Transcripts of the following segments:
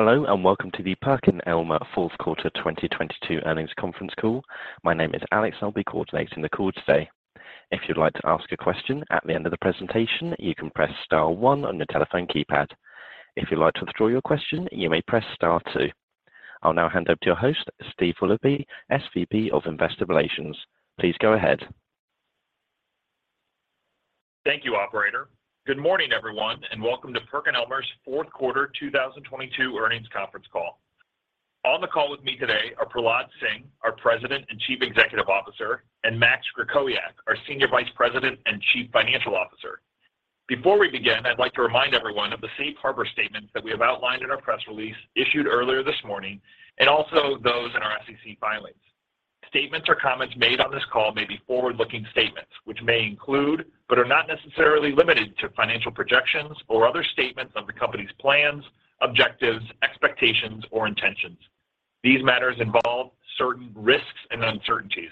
Hello, welcome to the PerkinElmer fourth quarter 2022 Earnings Conference Call. My name is Alex. I'll be coordinating the call today. If you'd like to ask a question at the end of the presentation, you can press star one on your telephone keypad. If you'd like to withdraw your question, you may press star two. I'll now hand over to your host, Steve Willoughby, SVP of Investor Relations. Please go ahead. Thank you, operator. Good morning, everyone, and welcome to PerkinElmer's fourth quarter 2022 earnings conference call. On the call with me today are Prahlad Singh, our President and Chief Executive Officer, and Maxwell Krakowiak, our Senior Vice President and Chief Financial Officer. Before we begin, I'd like to remind everyone of the safe harbor statements that we have outlined in our press release issued earlier this morning, and also those in our SEC filings. Statements or comments made on this call may be forward-looking statements, which may include, but are not necessarily limited to, financial projections or other statements of the company's plans, objectives, expectations, or intentions. These matters involve certain risks and uncertainties.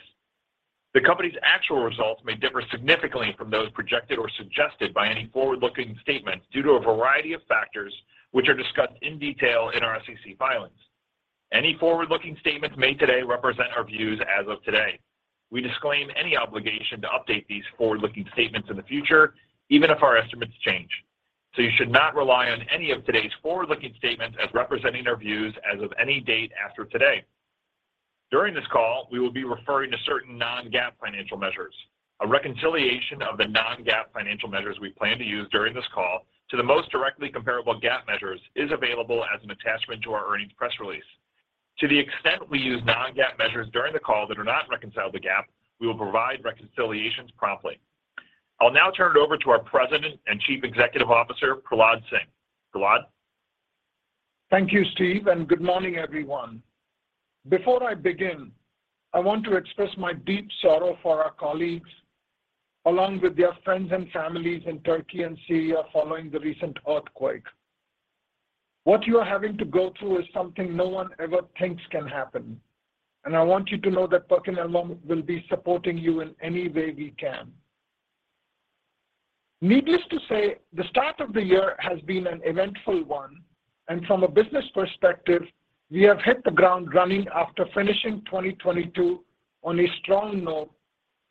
The company's actual results may differ significantly from those projected or suggested by any forward-looking statements due to a variety of factors, which are discussed in detail in our SEC filings. Any forward-looking statements made today represent our views as of today. We disclaim any obligation to update these forward-looking statements in the future, even if our estimates change. You should not rely on any of today's forward-looking statements as representing our views as of any date after today. During this call, we will be referring to certain non-GAAP financial measures. A reconciliation of the non-GAAP financial measures we plan to use during this call to the most directly comparable GAAP measures is available as an attachment to our earnings press release. To the extent we use non-GAAP measures during the call that are not reconciled to GAAP, we will provide reconciliations promptly. I'll now turn it over to our President and Chief Executive Officer, Prahlad Singh. Prahlad? Thank you, Steve, and good morning, everyone. Before I begin, I want to express my deep sorrow for our colleagues, along with their friends and families in Turkey and Syria following the recent earthquake. What you are having to go through is something no one ever thinks can happen, and I want you to know that PerkinElmer will be supporting you in any way we can. Needless to say, the start of the year has been an eventful one, and from a business perspective, we have hit the ground running after finishing 2022 on a strong note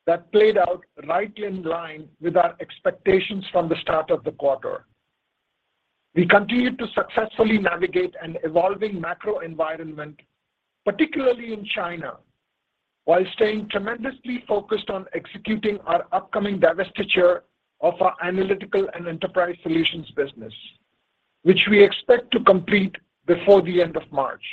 that played out right in line with our expectations from the start of the quarter. We continued to successfully navigate an evolving macro environment, particularly in China, while staying tremendously focused on executing our upcoming divestiture of our analytical and enterprise solutions business, which we expect to complete before the end of March.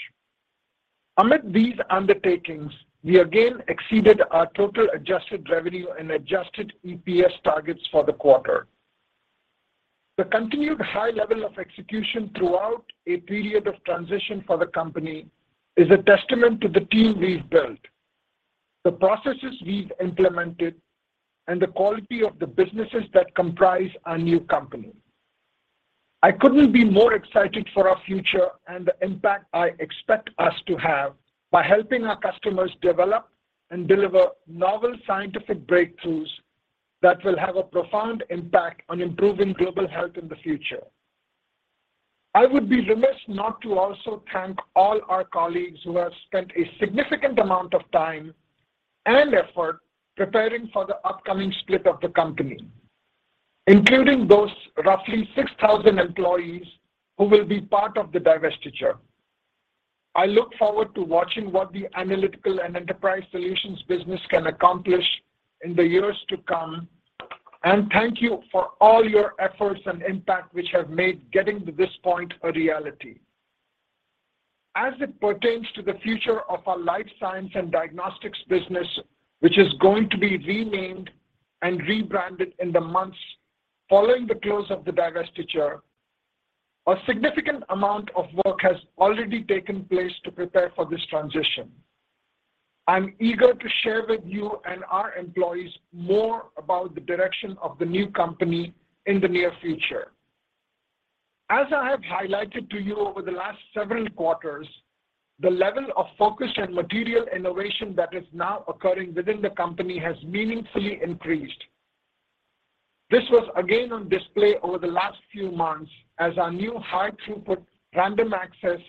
Amid these undertakings, we again exceeded our total adjusted revenue and adjusted EPS targets for the quarter. The continued high level of execution throughout a period of transition for the company is a testament to the team we've built, the processes we've implemented, and the quality of the businesses that comprise our new company. I couldn't be more excited for our future and the impact I expect us to have by helping our customers develop and deliver novel scientific breakthroughs that will have a profound impact on improving global health in the future. I would be remiss not to also thank all our colleagues who have spent a significant amount of time and effort preparing for the upcoming split of the company, including those roughly 6,000 employees who will be part of the divestiture. I look forward to watching what the analytical and enterprise solutions business can accomplish in the years to come, and thank you for all your efforts and impact, which have made getting to this point a reality. As it pertains to the future of our life science and diagnostics business, which is going to be renamed and rebranded in the months following the close of the divestiture, a significant amount of work has already taken place to prepare for this transition. I'm eager to share with you and our employees more about the direction of the new company in the near future. As I have highlighted to you over the last several quarters, the level of focus and material innovation that is now occurring within the company has meaningfully increased. This was again on display over the last few months as our new high-throughput random access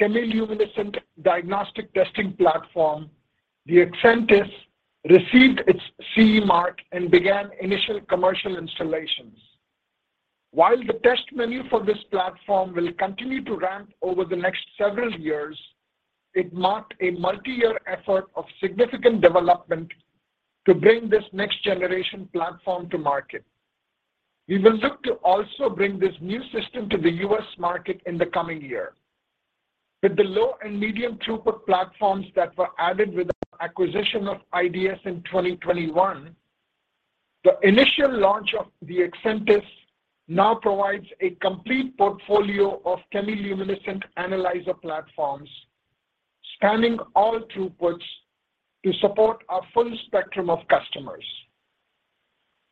chemiluminescent diagnostic testing platform, the Accentis, received its CE mark and began initial commercial installations. While the test menu for this platform will continue to ramp over the next several years, it marked a multi-year effort of significant development to bring this next generation platform to market. We will look to also bring this new system to the U.S. market in the coming year. With the low and medium throughput platforms that were added with the acquisition of IDS in 2021, the initial launch of the Accentis now provides a complete portfolio of chemiluminescent analyzer platforms spanning all throughputs to support our full spectrum of customers.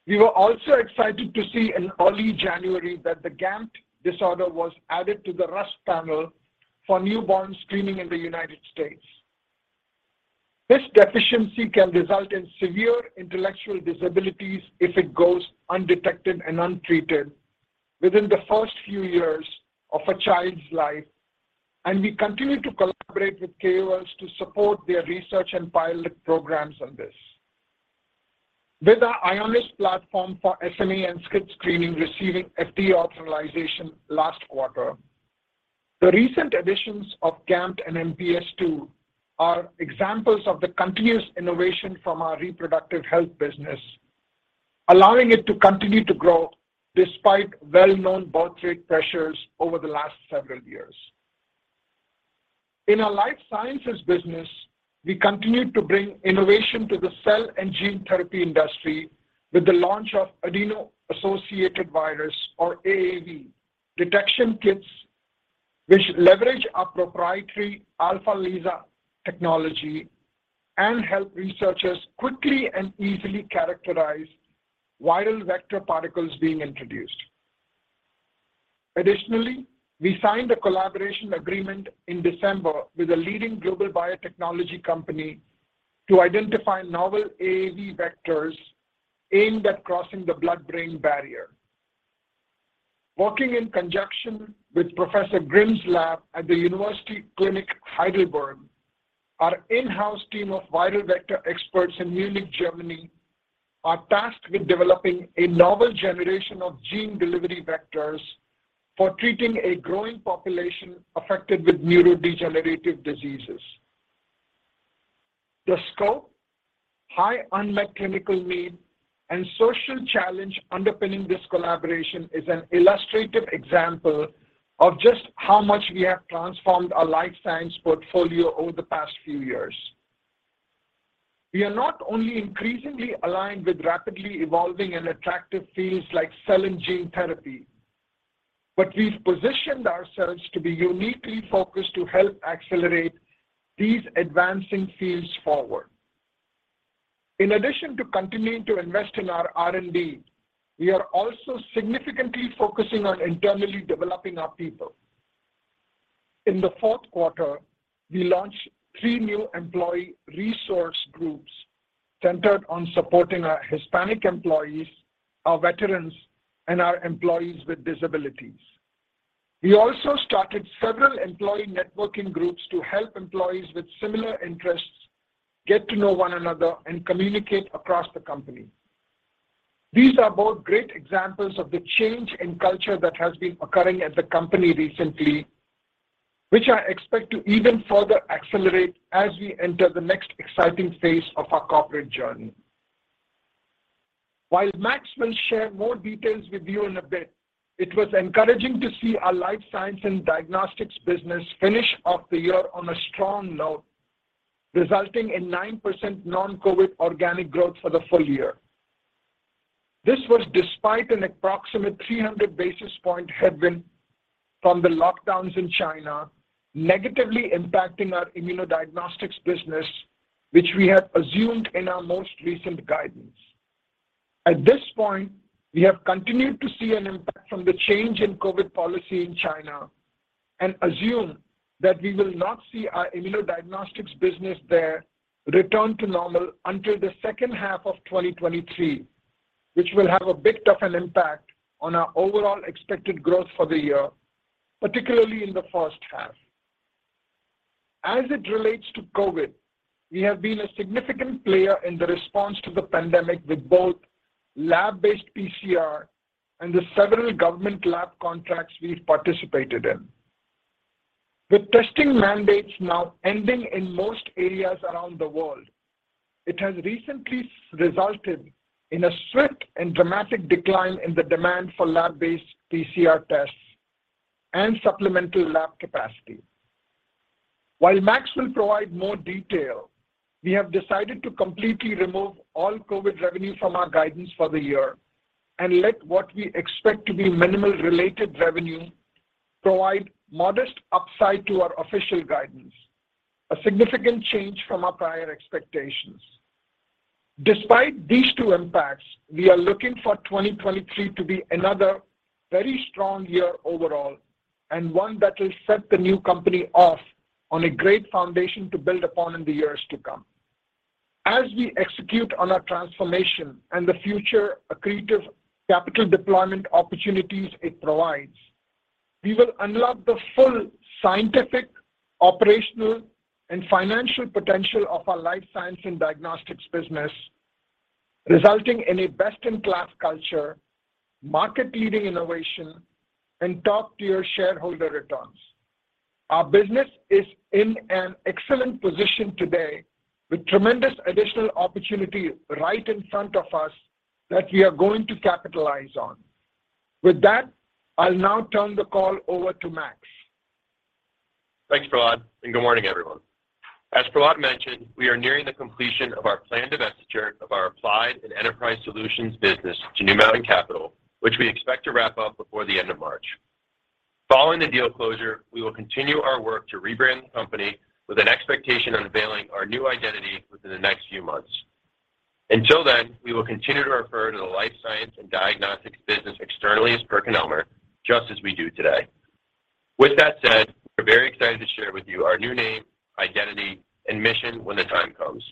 We were also excited to see in early January that the GAMT disorder was added to the RUSP panel for newborn screening in the United States. This deficiency can result in severe intellectual disabilities if it goes undetected and untreated within the first few years of a child's life, and we continue to collaborate with KOLs to support their research and pilot programs on this. With our EONIS platform for SMA and SCID screening receiving FDA optimization last quarter, the recent additions of GAMT and MPS II are examples of the continuous innovation from our reproductive health business, allowing it to continue to grow despite well-known biotech pressures over the last several years. In our life sciences business, we continue to bring innovation to the cell and gene therapy industry with the launch of adeno-associated virus or AAV detection kits, which leverage our proprietary AlphaLISA technology and help researchers quickly and easily characterize viral vector particles being introduced. We signed a collaboration agreement in December with a leading global biotechnology company to identify novel AAV vectors aimed at crossing the blood-brain barrier. Working in conjunction with Professor Grimm's lab at the Heidelberg University Hospital, our in-house team of viral vector experts in Munich, Germany, are tasked with developing a novel generation of gene delivery vectors for treating a growing population affected with neurodegenerative diseases. The scope, high unmet clinical need, and social challenge underpinning this collaboration is an illustrative example of just how much we have transformed our life science portfolio over the past few years. We are not only increasingly aligned with rapidly evolving and attractive fields like cell and gene therapy, but we've positioned ourselves to be uniquely focused to help accelerate these advancing fields forward. In addition to continuing to invest in our R&D, we are also significantly focusing on internally developing our people. In the fourth quarter, we launched three new employee resource groups centered on supporting our Hispanic employees, our veterans, and our employees with disabilities. We also started several employee networking groups to help employees with similar interests get to know one another and communicate across the company. These are both great examples of the change in culture that has been occurring at the company recently, which I expect to even further accelerate as we enter the next exciting phase of our corporate journey. While Max will share more details with you in a bit, it was encouraging to see our life science and diagnostics business finish off the year on a strong note, resulting in 9% non-COVID organic growth for the full year. This was despite an approximate 300 basis point headwind from the lockdowns in China, negatively impacting our immunodiagnostics business, which we had assumed in our most recent guidance. At this point, we have continued to see an impact from the change in COVID policy in China and assume that we will not see our Immunodiagnostics business there return to normal until the second half of 2023, which will have a bit of an impact on our overall expected growth for the year, particularly in the first half. As it relates to COVID, we have been a significant player in the response to the pandemic with both lab-based PCR and the several government lab contracts we've participated in. With testing mandates now ending in most areas around the world, it has recently resulted in a strict and dramatic decline in the demand for lab-based PCR tests and supplemental lab capacity. While Max will provide more detail, we have decided to completely remove all COVID revenue from our guidance for the year and let what we expect to be minimal related revenue provide modest upside to our official guidance, a significant change from our prior expectations. Despite these two impacts, we are looking for 2023 to be another very strong year overall and one that will set the new company off on a great foundation to build upon in the years to come. As we execute on our transformation and the future accretive capital deployment opportunities it provides, we will unlock the full scientific, operational, and financial potential of our life science and diagnostics business, resulting in a best-in-class culture, market-leading innovation, and top-tier shareholder returns. Our business is in an excellent position today with tremendous additional opportunity right in front of us that we are going to capitalize on. With that, I'll now turn the call over to Max. Thanks, Prahlad, and good morning, everyone. As Prahlad mentioned, we are nearing the completion of our planned divestiture of our Applied and Enterprise Solutions business to New Mountain Capital, which we expect to wrap up before the end of March. Following the deal closure, we will continue our work to rebrand the company with an expectation on unveiling our new identity within the next few months. Until then, we will continue to refer to the life science and diagnostics business externally as PerkinElmer, just as we do today. With that said, we're very excited to share with you our new name, identity, and mission when the time comes.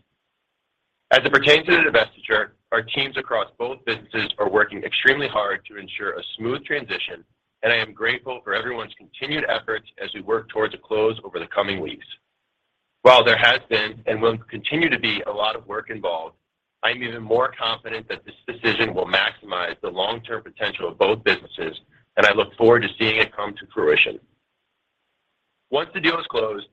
As it pertains to the divestiture, our teams across both businesses are working extremely hard to ensure a smooth transition, and I am grateful for everyone's continued efforts as we work towards a close over the coming weeks. While there has been and will continue to be a lot of work involved, I am even more confident that this decision will maximize the long-term potential of both businesses, I look forward to seeing it come to fruition. Once the deal is closed,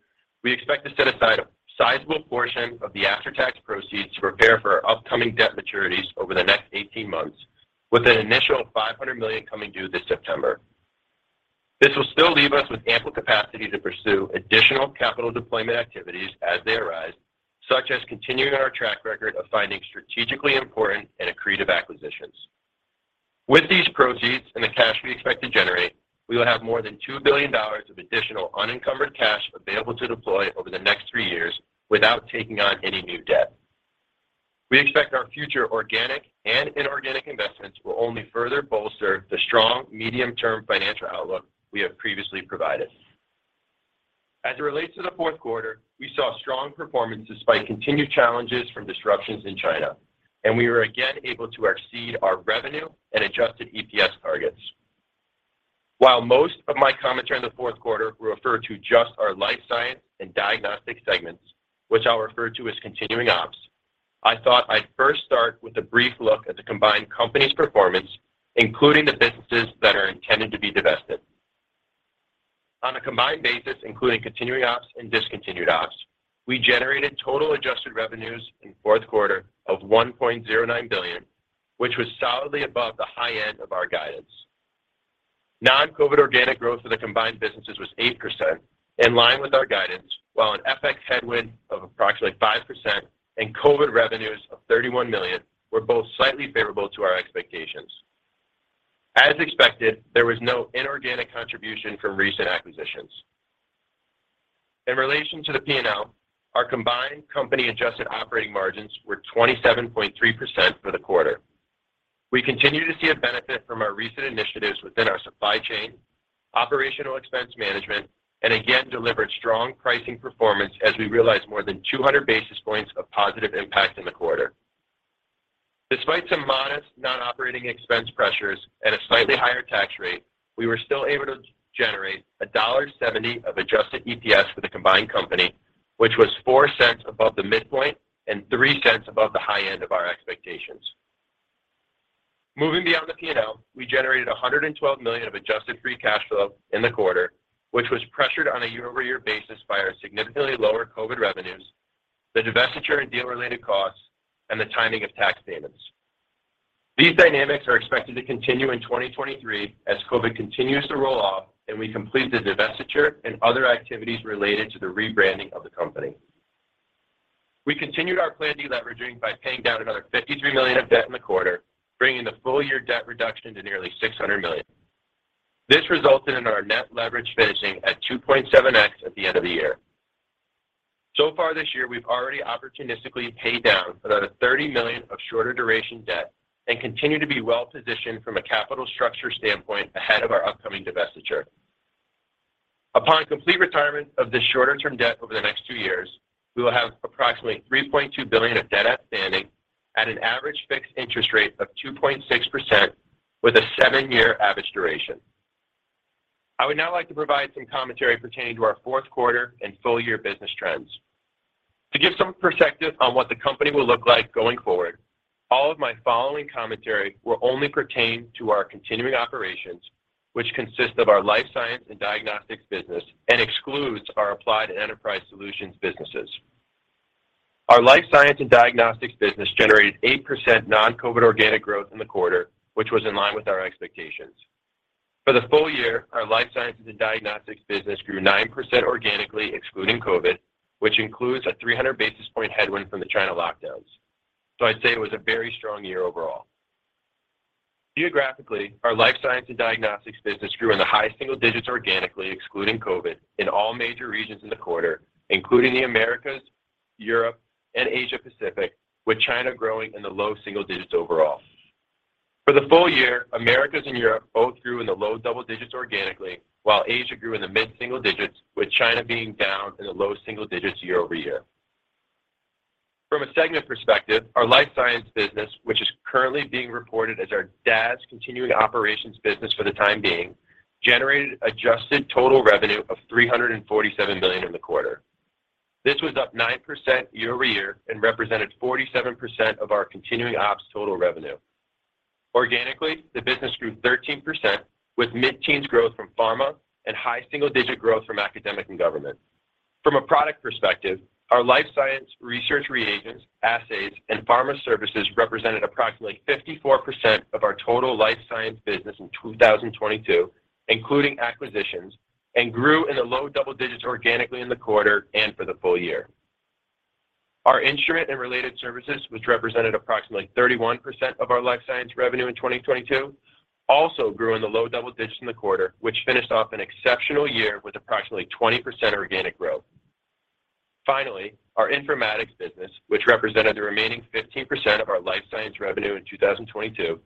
we expect to set aside a sizable portion of the after-tax proceeds to prepare for our upcoming debt maturities over the next 18 months, with an initial $500 million coming due this September. This will still leave us with ample capacity to pursue additional capital deployment activities as they arise, such as continuing our track record of finding strategically important and accretive acquisitions. With these proceeds and the cash we expect to generate, we will have more than $2 billion of additional unencumbered cash available to deploy over the next three years without taking on any new debt. We expect our future organic and inorganic investments will only further bolster the strong medium-term financial outlook we have previously provided. As it relates to the fourth quarter, we saw strong performance despite continued challenges from disruptions in China, and we were again able to exceed our revenue and adjusted EPS targets. While most of my commentary on the fourth quarter will refer to just our life science and diagnostic segments, which I'll refer to as continuing ops, I thought I'd first start with a brief look at the combined company's performance, including the businesses that are intended to be divested. On a combined basis, including continuing ops and discontinued ops, we generated total adjusted revenues in fourth quarter of $1.09 billion, which was solidly above the high end of our guidance. Non-COVID organic growth of the combined businesses was 8%, in line with our guidance, while an FX headwind of approximately 5% and COVID revenues of $31 million were both slightly favorable to our expectations. As expected, there was no inorganic contribution from recent acquisitions. In relation to the P&L, our combined company adjusted operating margins were 27.3% for the quarter. We continue to see a benefit from our recent initiatives within our supply chain, operational expense management, and again delivered strong pricing performance as we realized more than 200 basis points of positive impact in the quarter. Despite some modest non-operating expense pressures and a slightly higher tax rate, we were still able to generate $1.70 of adjusted EPS for the combined company, which was $0.04 above the midpoint and $0.03 above the high end of our expectations. Moving beyond the P&L, we generated $112 million of adjusted free cash flow in the quarter, which was pressured on a year-over-year basis by our significantly lower COVID revenues, the divestiture and deal-related costs, and the timing of tax payments. These dynamics are expected to continue in 2023 as COVID continues to roll off and we complete the divestiture and other activities related to the rebranding of the company. We continued our planned deleveraging by paying down another $53 million of debt in the quarter, bringing the full-year debt reduction to nearly $600 million. This resulted in our net leverage finishing at 2.7x at the end of the year. Far this year, we've already opportunistically paid down about $30 million of shorter duration debt and continue to be well-positioned from a capital structure standpoint ahead of our upcoming divestiture. Upon complete retirement of this shorter-term debt over the next two years, we will have approximately $3.2 billion of debt outstanding at an average fixed interest rate of 2.6% with a seven-year average duration. I would now like to provide some commentary pertaining to our fourth quarter and full-year business trends. To give some perspective on what the company will look like going forward, all of my following commentary will only pertain to our continuing operations, which consist of our life sciences and diagnostics business and excludes our applied enterprise solutions businesses. Our life sciences and diagnostics business generated 8% non-COVID organic growth in the quarter, which was in line with our expectations. For the full year, our life sciences and diagnostics business grew 9% organically, excluding COVID, which includes a 300 basis point headwind from the China lockdowns. I'd say it was a very strong year overall. Geographically, our life science and diagnostics business grew in the high single digits organically, excluding COVID, in all major regions in the quarter, including the Americas, Europe, and Asia Pacific, with China growing in the low single digits overall. For the full year, Americas and Europe both grew in the low double digits organically, while Asia grew in the mid-single digits, with China being down in the low single digits year-over-year. From a segment perspective, our life science business, which is currently being reported as our DAS continuing operations business for the time being, generated adjusted total revenue of $347 million in the quarter. This was up 9% year-over-year and represented 47% of our continuing ops total revenue. Organically, the business grew 13%, with mid-teens growth from pharma and high single-digit growth from academic and government. From a product perspective, our life science research reagents, assays, and pharma services represented approximately 54% of our total life science business in 2022, including acquisitions, and grew in the low double digits organically in the quarter and for the full year. Our instrument and related services, which represented approximately 31% of our life science revenue in 2022, also grew in the low double digits in the quarter, which finished off an exceptional year with approximately 20% organic growth. Our informatics business, which represented the remaining 15% of our life science revenue in 2022,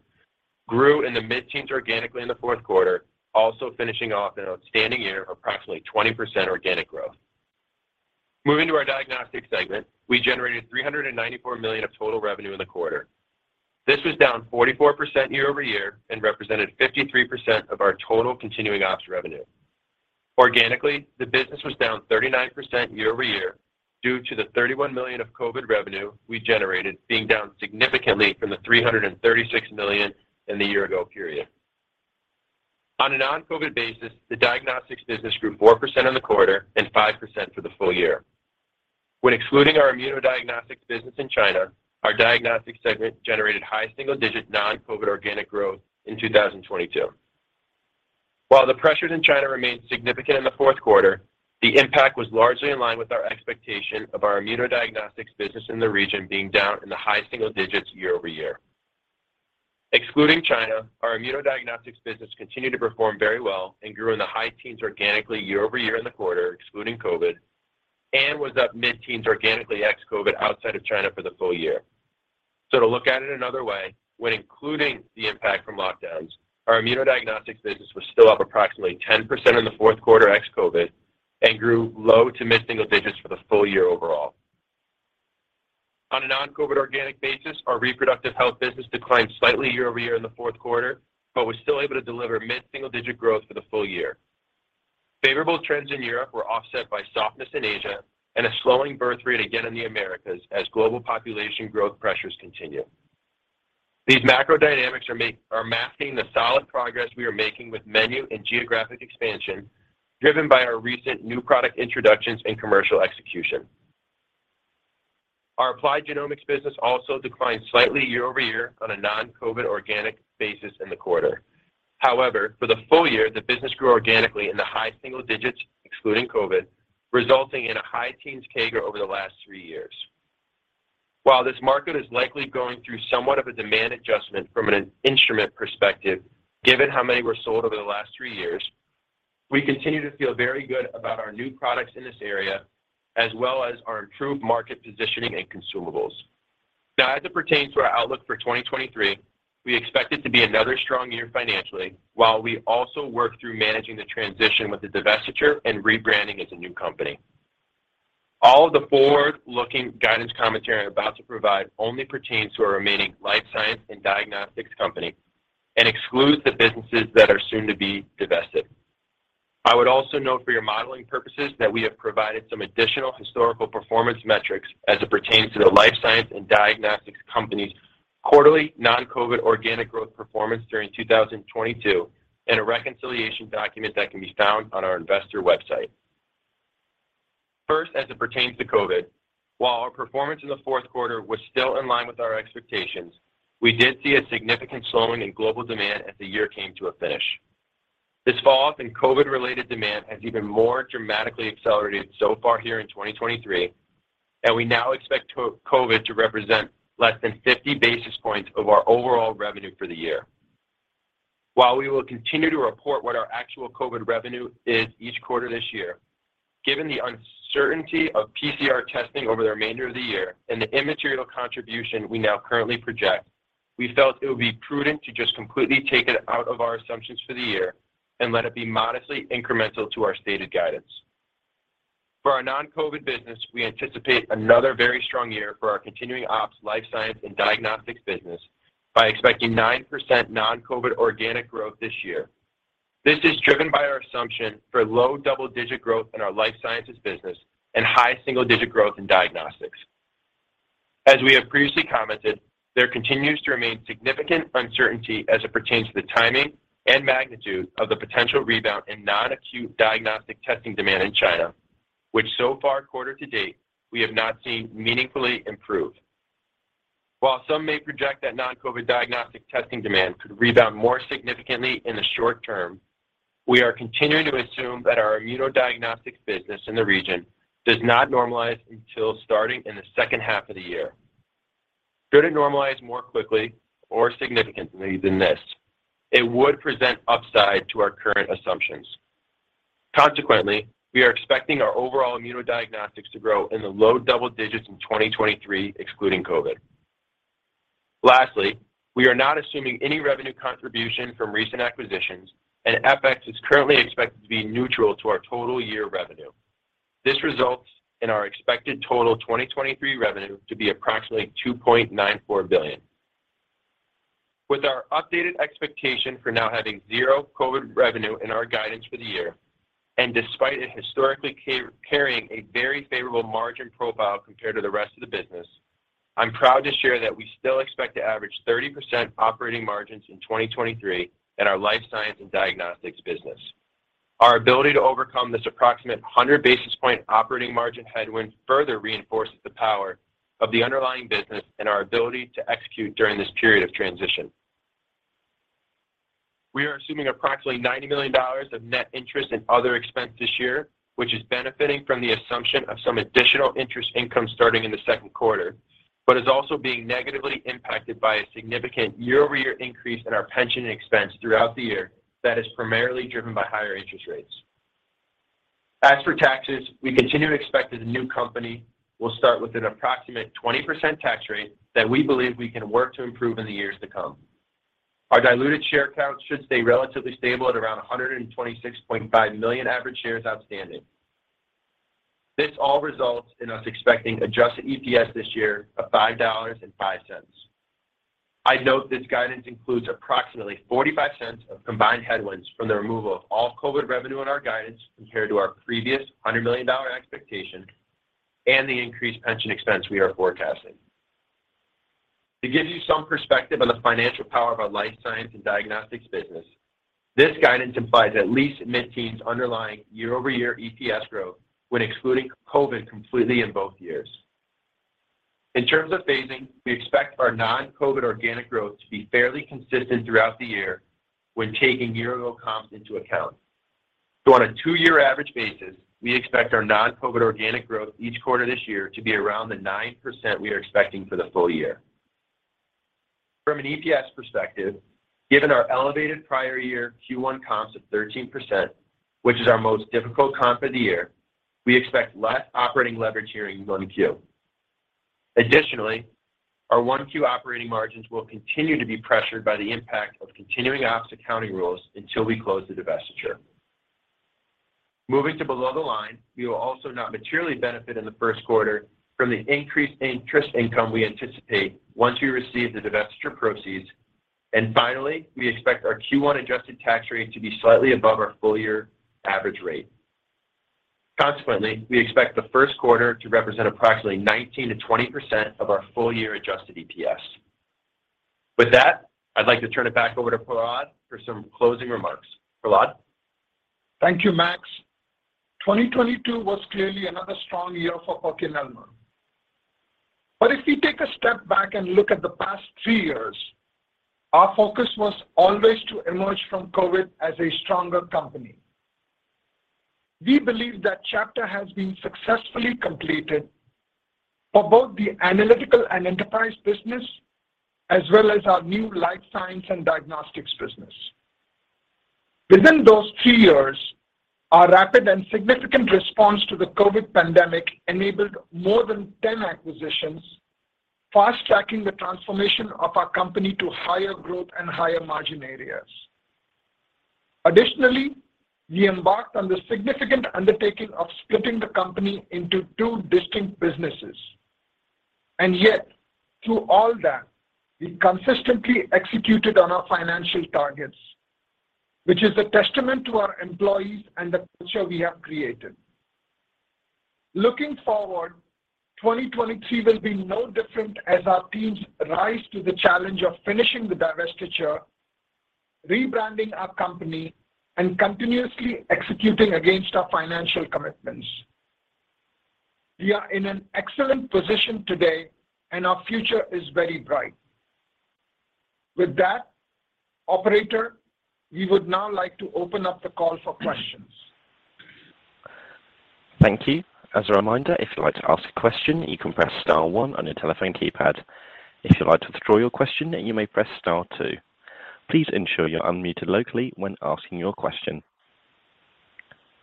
grew in the mid-teens organically in the fourth quarter, also finishing off an outstanding year of approximately 20% organic growth. Moving to our diagnostics segment, we generated $394 million of total revenue in the quarter. This was down 44% year-over-year and represented 53% of our total continuing ops revenue. Organically, the business was down 39% year-over-year due to the $31 million of COVID revenue we generated being down significantly from the $336 million in the year ago period. On a non-COVID basis, the diagnostics business grew 4% in the quarter and 5% for the full year. When excluding our immunodiagnostics business in China, our diagnostics segment generated high single-digit non-COVID organic growth in 2022. While the pressures in China remained significant in the fourth quarter, the impact was largely in line with our expectation of our immunodiagnostics business in the region being down in the high single digits year-over-year. Excluding China, our immunodiagnostics business continued to perform very well and grew in the high teens organically year-over-year in the quarter, excluding COVID, and was up mid-teens organically ex-COVID outside of China for the full year. To look at it another way, when including the impact from lockdowns, our immunodiagnostics business was still up approximately 10% in the fourth quarter ex-COVID and grew low to mid-single digits for the full year overall. On a non-COVID organic basis, our reproductive health business declined slightly year-over-year in the fourth quarter, but was still able to deliver mid-single digit growth for the full year. Favorable trends in Europe were offset by softness in Asia and a slowing birth rate again in the Americas as global population growth pressures continue. These macro dynamics are masking the solid progress we are making with menu and geographic expansion, driven by our recent new product introductions and commercial execution. Our applied genomics business also declined slightly year-over-year on a non-COVID organic basis in the quarter. However, for the full year, the business grew organically in the high single digits, excluding COVID, resulting in a high teens CAGR over the last three years. While this market is likely going through somewhat of a demand adjustment from an instrument perspective, given how many were sold over the last three years, we continue to feel very good about our new products in this area, as well as our improved market positioning and consumables. As it pertains to our outlook for 2023, we expect it to be another strong year financially while we also work through managing the transition with the divestiture and rebranding as a new company. All of the forward-looking guidance commentary I'm about to provide only pertains to our remaining life science and diagnostics company and excludes the businesses that are soon to be divested. I would also note for your modeling purposes that we have provided some additional historical performance metrics as it pertains to the life science and diagnostics company's quarterly non-COVID organic growth performance during 2022 in a reconciliation document that can be found on our investor website. As it pertains to COVID, while our performance in the fourth quarter was still in line with our expectations, we did see a significant slowing in global demand as the year came to a finish. This fall off in COVID-related demand has even more dramatically accelerated so far here in 2023, and we now expect COVID to represent less than 50 basis points of our overall revenue for the year. While we will continue to report what our actual COVID revenue is each quarter this year, given the uncertainty of PCR testing over the remainder of the year and the immaterial contribution we now currently project, we felt it would be prudent to just completely take it out of our assumptions for the year and let it be modestly incremental to our stated guidance. For our non-COVID business, we anticipate another very strong year for our continuing ops life science and diagnostics business by expecting 9% non-COVID organic growth this year. This is driven by our assumption for low double-digit growth in our life sciences business and high single-digit growth in diagnostics. We have previously commented, there continues to remain significant uncertainty as it pertains to the timing and magnitude of the potential rebound in non-acute diagnostic testing demand in China, which so far quarter to date, we have not seen meaningfully improve. Some may project that non-COVID diagnostic testing demand could rebound more significantly in the short term, we are continuing to assume that our Immunodiagnostics business in the region does not normalize until starting in the second half of the year. Should it normalize more quickly or significantly than this, it would present upside to our current assumptions. We are expecting our overall immunodiagnostics to grow in the low double digits in 2023, excluding COVID. We are not assuming any revenue contribution from recent acquisitions. FX is currently expected to be neutral to our total year revenue. This results in our expected total 2023 revenue to be approximately $2.94 billion. With our updated expectation for now having zero COVID revenue in our guidance for the year, despite it historically carrying a very favorable margin profile compared to the rest of the business, I'm proud to share that we still expect to average 30% operating margins in 2023 in our life science and diagnostics business. Our ability to overcome this approximate 100 basis point operating margin headwind further reinforces the power of the underlying business and our ability to execute during this period of transition. We are assuming approximately $90 million of net interest and other expense this year, which is benefiting from the assumption of some additional interest income starting in the second quarter. It is also being negatively impacted by a significant year-over-year increase in our pension expense throughout the year that is primarily driven by higher interest rates. As for taxes, we continue to expect that the new company will start with an approximate 20% tax rate that we believe we can work to improve in the years to come. Our diluted share count should stay relatively stable at around 126.5 million average shares outstanding. This all results in us expecting adjusted EPS this year of $5.05. I'd note this guidance includes approximately $0.45 of combined headwinds from the removal of all COVID revenue in our guidance compared to our previous $100 million expectation and the increased pension expense we are forecasting. To give you some perspective on the financial power of our life science and diagnostics business, this guidance implies at least mid-teens underlying year-over-year EPS growth when excluding COVID completely in both years. In terms of phasing, we expect our non-COVID organic growth to be fairly consistent throughout the year when taking year ago comps into account. On a two-year average basis, we expect our non-COVID organic growth each quarter this year to be around the 9% we are expecting for the full year. From an EPS perspective, given our elevated prior year Q1 comps of 13%, which is our most difficult comp of the year, we expect less operating leverage here in 1Q. Additionally, our 1Q operating margins will continue to be pressured by the impact of continuing ops accounting rules until we close the divestiture. Moving to below the line, we will also not materially benefit in the first quarter from the increased interest income we anticipate once we receive the divestiture proceeds. Finally, we expect our Q1 adjusted tax rate to be slightly above our full year average rate. Consequently, we expect the first quarter to represent approximately 19%-20% of our full year adjusted EPS. With that, I'd like to turn it back over to Prahlad for some closing remarks. Prahlad. Thank you, Max. 2022 was clearly another strong year for PerkinElmer. If we take a step back and look at the past three years, our focus was always to emerge from COVID as a stronger company. We believe that chapter has been successfully completed for both the analytical and enterprise business, as well as our new life science and diagnostics business. Within those three years, our rapid and significant response to the COVID pandemic enabled more than 10 acquisitions, fast-tracking the transformation of our company to higher growth and higher margin areas. Additionally, we embarked on the significant undertaking of splitting the company into two distinct businesses. Yet, through all that, we consistently executed on our financial targets, which is a testament to our employees and the culture we have created. Looking forward, 2023 will be no different as our teams rise to the challenge of finishing the divestiture, rebranding our company, and continuously executing against our financial commitments. We are in an excellent position today, and our future is very bright. With that, operator, we would now like to open up the call for questions. Thank you. As a reminder, if you'd like to ask a question, you can press star one on your telephone keypad. If you'd like to withdraw your question, you may press star two. Please ensure you're unmuted locally when asking your question.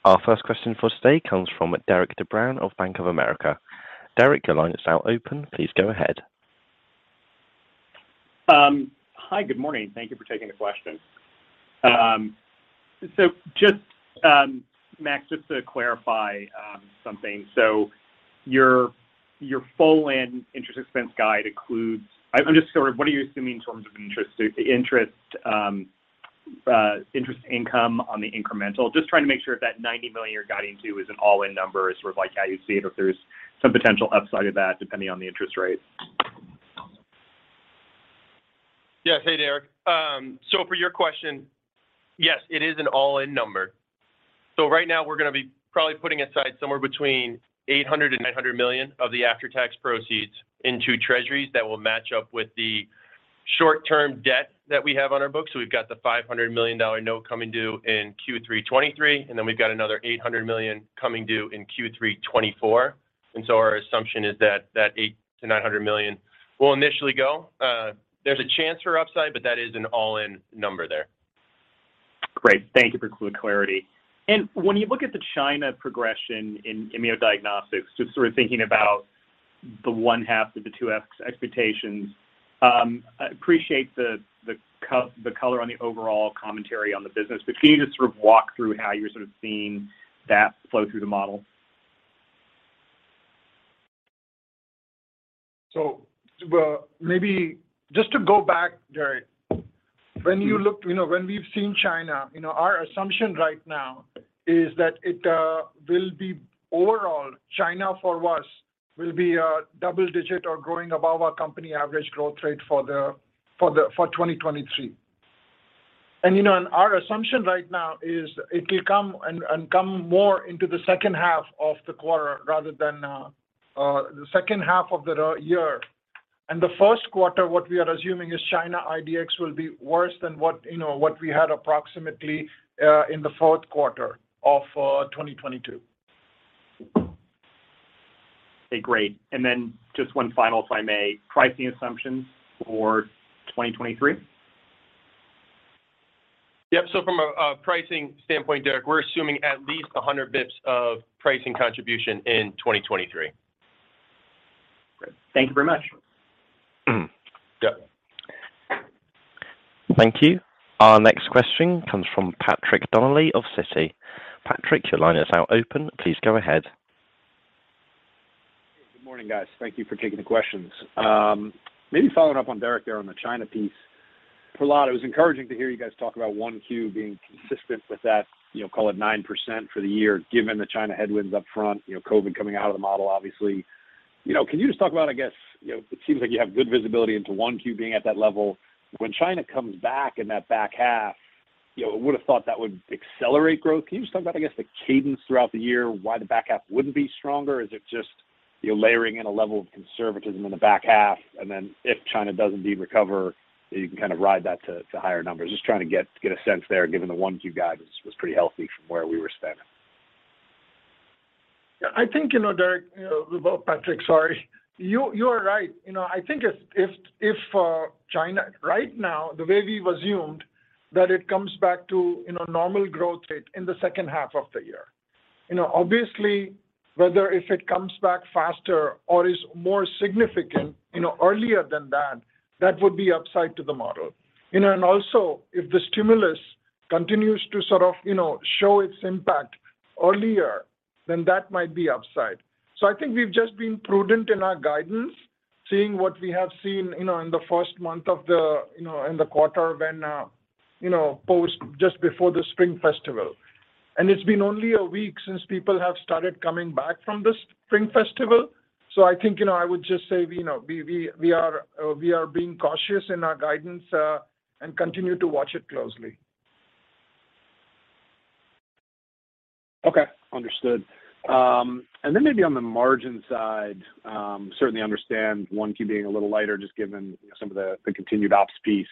Our first question for today comes from Derik De Bruin of Bank of America. Derik, your line is now open. Please go ahead. Hi. Good morning. Thank you for taking the question. Just, Max, just to clarify something. Your full interest expense guide includes... I'm just sort of what are you assuming in terms of interest income on the incremental? Just trying to make sure if that $90 million you're guiding to is an all-in number is sort of like how you see it, or if there's some potential upside of that depending on the interest rates? Yeah. Hey, Derik. For your question, yes, it is an all-in number. Right now we're gonna be probably putting aside somewhere between $800 million-$900 million of the after-tax proceeds into treasuries that will match up with the short-term debt that we have on our books. We've got the $500 million note coming due in Q3 2023, then we've got another $800 million coming due in Q3 2024. Our assumption is that $800 million-$900 million will initially go. There's a chance for upside, but that is an all-in number there. Great. Thank you for clarity. When you look at the China progression in immunodiagnostics, just sort of thinking about the one half to the two expectations, I appreciate the color on the overall commentary on the business. Can you just sort of walk through how you're sort of seeing that flow through the model? Well, maybe just to go back, Derik De Bruin. When you look. You know, when we've seen China, you know, our assumption right now is that it will be overall China for us will be double-digit or growing above our company average growth rate for 2023. You know, our assumption right now is it will come and come more into the second half of the quarter rather than the second half of the year. In the first quarter, what we are assuming is China IDX will be worse than what, you know, what we had approximately in the fourth quarter of 2022. Okay, great. Then just one final, if I may, Pricing assumptions for 2023? Yep. From a pricing standpoint, Derik, we're assuming at least 100 basis points of pricing contribution in 2023. Great. Thank you very much. Yep. Thank you. Our next question comes from Patrick Donnelly of Citi. Patrick, your line is now open. Please go ahead. Good morning, guys. Thank you for taking the questions. Maybe following up on Derik there on the China piece. Prahlad, it was encouraging to hear you guys talk about 1Q being consistent with that, you know, call it 9% for the year, given the China headwinds up front, you know, COVID coming out of the model, obviously. You know, can you just talk about, I guess, you know, it seems like you have good visibility into 1Q being at that level. When China comes back in that back half, you know, I would have thought that would accelerate growth. Can you just talk about, I guess, the cadence throughout the year, why the back half wouldn't be stronger? Is it just, you know, layering in a level of conservatism in the back half and then if China does indeed recover, you can kind of ride that to higher numbers? Just trying to get a sense there, given the 1Q guidance was pretty healthy from where we were spending? Yeah. I think, you know, Derik, Patrick, sorry. You are right. You know, I think if China. Right now, the way we've assumed that it comes back to, you know, normal growth rate in the second half of the year. You know, obviously, whether if it comes back faster or is more significant, you know, earlier than that would be upside to the model. You know, and also if the stimulus continues to sort of, you know, show its impact earlier, then that might be upside. I think we've just been prudent in our guidance, seeing what we have seen, you know, in the first month of the, you know, in the quarter when, you know, post just before the Spring Festival. It's been only a week since people have started coming back from the Spring Festival. I think, you know, I would just say, you know, we are being cautious in our guidance, and continue to watch it closely. Okay. Understood. Maybe on the margin side, certainly understand 1Q being a little lighter just given some of the continued ops piece.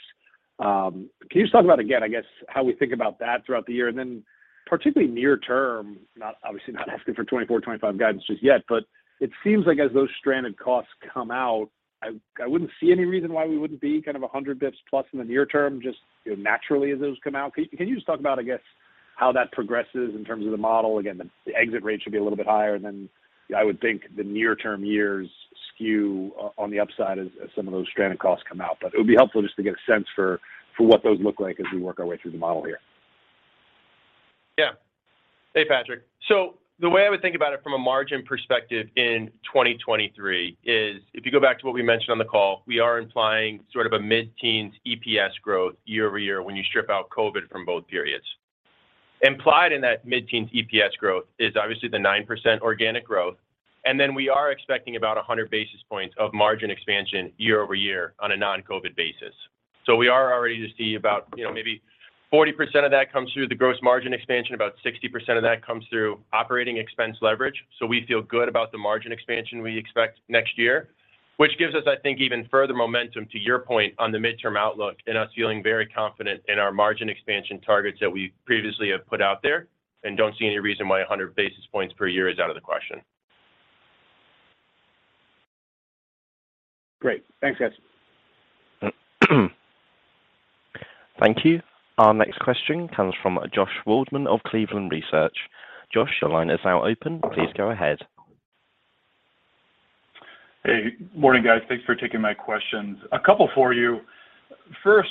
Can you just talk about again, I guess how we think about that throughout the year? Particularly near term, not obviously not asking for 2024, 2025 guidance just yet, but it seems like as those stranded costs come out, I wouldn't see any reason why we wouldn't be kind of 100 basis points plus in the near term, just, you know, naturally as those come out. Can you just talk about, I guess, how that progresses in terms of the model? Again, the exit rate should be a little bit higher than I would think the near term years skew on the upside as some of those stranded costs come out. It would be helpful just to get a sense for what those look like as we work our way through the model here. Yeah. Hey, Patrick. The way I would think about it from a margin perspective in 2023 is if you go back to what we mentioned on the call, we are implying sort of a mid-teens EPS growth year-over-year when you strip out COVID from both periods. Implied in that mid-teens EPS growth is obviously the 9% organic growth, and then we are expecting about 100 basis points of margin expansion year-over-year on a non-COVID basis. We are already to see about, you know, maybe 40% of that comes through the gross margin expansion, about 60% of that comes through operating expense leverage. We feel good about the margin expansion we expect next year, which gives us, I think, even further momentum to your point on the midterm outlook and us feeling very confident in our margin expansion targets that we previously have put out there and don't see any reason why 100 basis points per year is out of the question. Great. Thanks, guys. Thank you. Our next question comes from Josh Waldman of Cleveland Research. Josh, your line is now open. Please go ahead. Hey. Morning, guys. Thanks for taking my questions. A couple for you. First,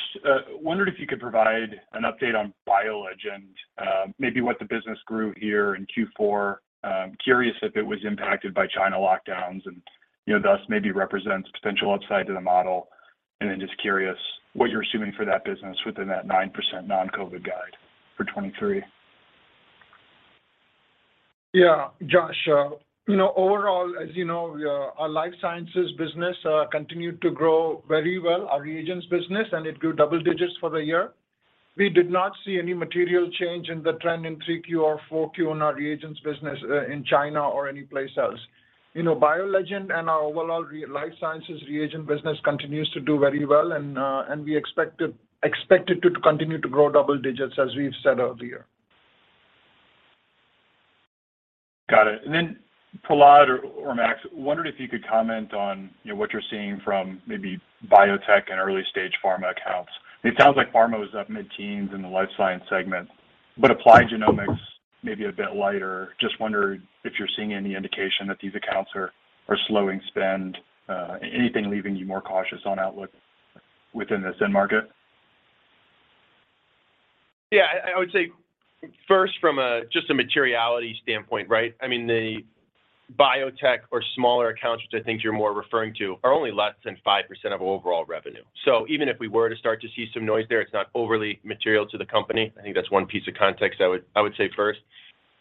wondered if you could provide an update on BioLegend, maybe what the business grew here in Q4. Curious if it was impacted by China lockdowns and, you know, thus maybe represents potential upside to the model. Just curious what you're assuming for that business within that 9% non-COVID guide for 2023? Josh, you know, overall, as you know, our life sciences business continued to grow very well, our reagents business, and it grew double digits for the year. We did not see any material change in the trend in 3Q or 4Q on our reagents business in China or any place else. You know, BioLegend and our overall life sciences reagent business continues to do very well, and we expect it to continue to grow double digits, as we've said earlier. Got it. Prahlad or Max, wondered if you could comment on, you know, what you're seeing from maybe biotech and early-stage pharma accounts. It sounds like pharma was up mid-teens in the life science segment, applied genomics may be a bit lighter. Just wondered if you're seeing any indication that these accounts are slowing spend. Anything leaving you more cautious on outlook within this end market? Yeah, I would say first from a just a materiality standpoint, right? I mean, the biotech or smaller accounts, which I think you're more referring to, are only less than 5% of overall revenue. Even if we were to start to see some noise there, it's not overly material to the company. I think that's one piece of context I would say first.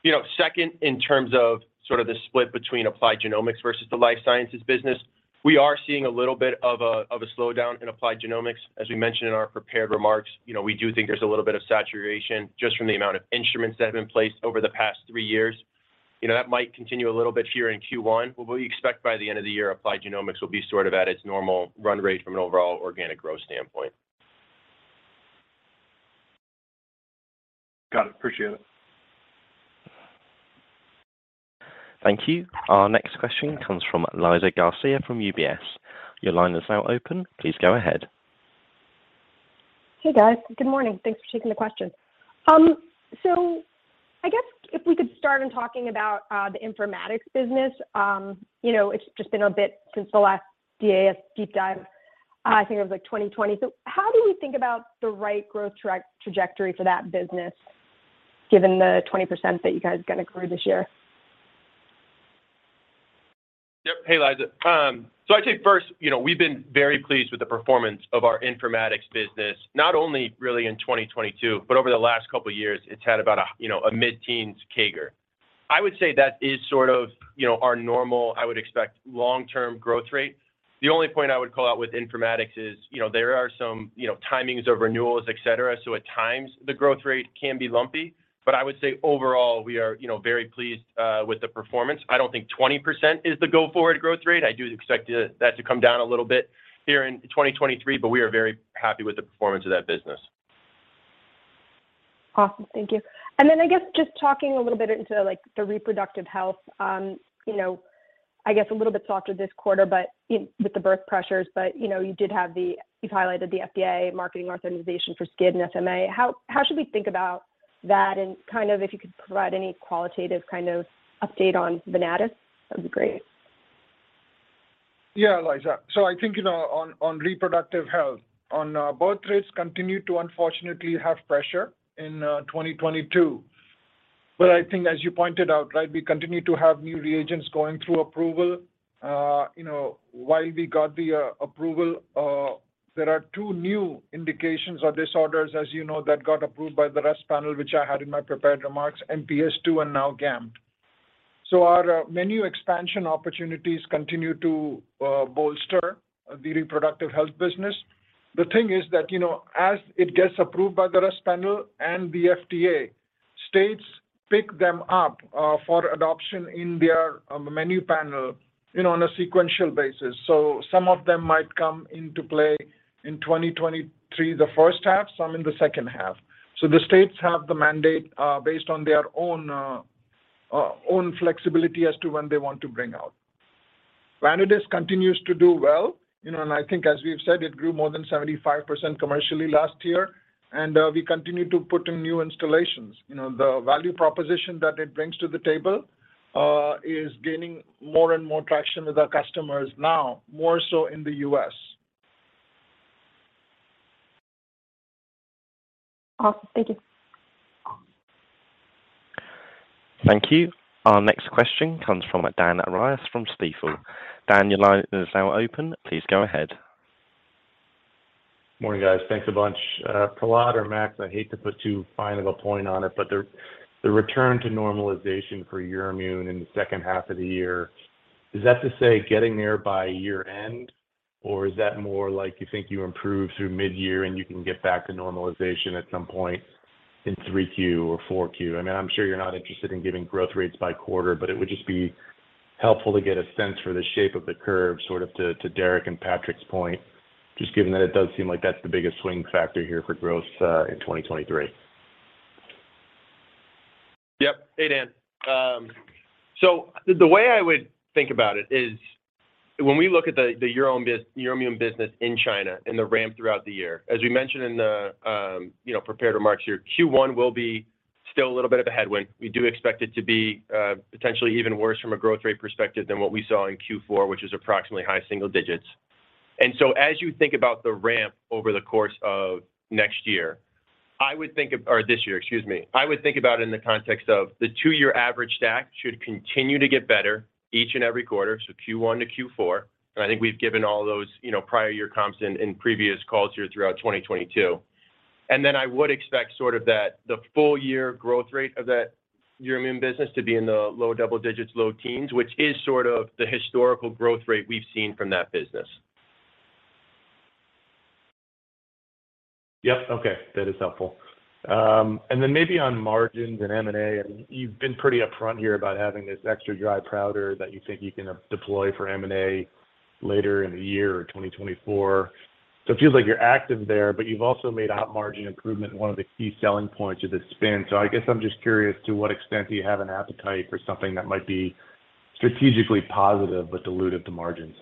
You know, second, in terms of sort of the split between applied genomics versus the life sciences business, we are seeing a little bit of a slowdown in applied genomics. As we mentioned in our prepared remarks, you know, we do think there's a little bit of saturation just from the amount of instruments that have been placed over the past three years. You know, that might continue a little bit here in Q1, but we expect by the end of the year, applied genomics will be sort of at its normal run rate from an overall organic growth standpoint. Got it. Appreciate it. Thank you. Our next question comes from Liza Garcia from UBS. Your line is now open. Please go ahead. Hey, guys. Good morning. Thanks for taking the question. I guess if we could start in talking about the informatics business, you know, it's just been a bit since the last DAS deep dive, I think it was like 2020. How do we think about the right growth trajectory for that business given the 20% that you guys gonna grow this year? Yep. Hey, Liza. I'd say first, you know, we've been very pleased with the performance of our informatics business, not only really in 2022, but over the last couple of years, it's had about a, you know, a mid-teens CAGR. I would say that is sort of, you know, our normal, I would expect, long-term growth rate. The only point I would call out with informatics is, you know, there are some, you know, timings of renewals, et cetera. At times the growth rate can be lumpy. I would say overall we are, you know, very pleased with the performance. I don't think 20% is the go forward growth rate. I do expect that to come down a little bit here in 2023, but we are very happy with the performance of that business. Awesome. Thank you. I guess just talking a little bit into like the reproductive health, you know, I guess a little bit softer this quarter, but with the birth pressures, but, you know, you did have the you've highlighted the FDA marketing authorization for SCID and SMA. How should we think about that? Kind of if you could provide any qualitative kind of update on Vanadis, that'd be great? Yeah, Liza. I think, you know, on reproductive health, on both rates continue to unfortunately have pressure in 2022. I think as you pointed out, right, we continue to have new reagents going through approval. You know, while we got the approval, there are two new indications or disorders, as you know, that got approved by the RUSP panel, which I had in my prepared remarks, MPS II and now GAMT. Our menu expansion opportunities continue to bolster the reproductive health business. The thing is that, you know, as it gets approved by the RUSP panel and the FDA, states pick them up for adoption in their menu panel, you know, on a sequential basis. Some of them might come into play in 2023, the first half, some in the second half. The states have the mandate, based on their own flexibility as to when they want to bring out. Vanadis continues to do well, you know, and I think as we've said, it grew more than 75% commercially last year, and we continue to put in new installations. You know, the value proposition that it brings to the table, is gaining more and more traction with our customers now, more so in the U.S. Awesome. Thank you. Thank you. Our next question comes from Dan Arias from Stifel. Dan, your line is now open. Please go ahead. Morning, guys. Thanks a bunch. Prahlad or Max, I hate to put too fine of a point on it, but the return to normalization for EUROIMMUN in the second half of the year, is that to say getting there by year end, or is that more like you think you improve through mid-year and you can get back to normalization at some point in 3Q or 4Q? I mean, I'm sure you're not interested in giving growth rates by quarter, but it would just be helpful to get a sense for the shape of the curve, sort of to Derik and Patrick's point, just given that it does seem like that's the biggest swing factor here for growth, in 2023. Yep. Hey, Dan. The way I would think about it is when we look at the EUROIMMUN business in China and the ramp throughout the year, as we mentioned in the, you know, prepared remarks here, Q1 will be still a little bit of a headwind. We do expect it to be potentially even worse from a growth rate perspective than what we saw in Q4, which is approximately high single digits. As you think about the ramp over the course of next year, I would think of or this year, excuse me. I would think about it in the context of the two-year average stack should continue to get better each and every quarter. Q1 to Q4. I think we've given all those, you know, prior year comps in previous calls here throughout 2022. I would expect that the full year growth rate of that EUROIMMUN business to be in the low double digits, low teens, which is sort of the historical growth rate we've seen from that business. Yep. Okay. That is helpful. Maybe on margins and M&A, I mean, you've been pretty upfront here about having this extra dry powder that you think you can deploy for M&A later in the year or 2024. It feels like you're active there, but you've also made out margin improvement one of the key selling points of the spin. I guess I'm just curious to what extent do you have an appetite for something that might be strategically positive but dilutive to margins?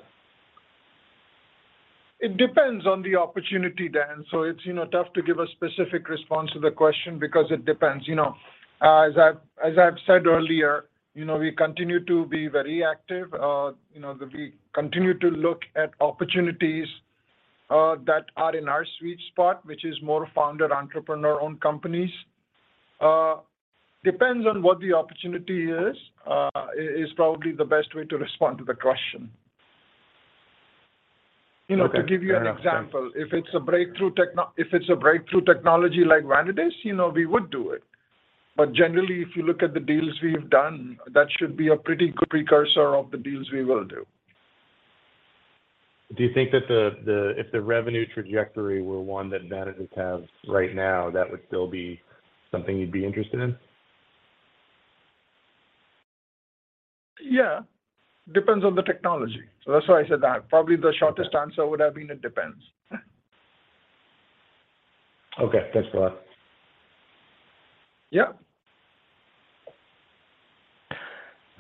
It depends on the opportunity, Dan. It's, you know, tough to give a specific response to the question because it depends. You know, as I've said earlier, you know, we continue to be very active. You know, we continue to look at opportunities that are in our sweet spot, which is more founder, entrepreneur-owned companies. Depends on what the opportunity is probably the best way to respond to the question. Okay. You know, to give you an example, if it's a breakthrough technology like Vanadis, you know, we would do it. Generally, if you look at the deals we've done, that should be a pretty good precursor of the deals we will do. Do you think that the if the revenue trajectory were one that Vanadis has right now, that would still be something you'd be interested in? Yeah, depends on the technology. That's why I said that. Probably the shortest answer would have been it depends. Okay. Thanks for that. Yeah.